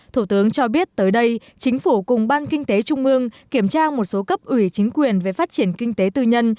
thủ tướng cho biết tới đây chính phủ cùng ban kinh tế trung mương kiểm tra một số cấp ủy chính quyền về phát triển kinh tế tư nhân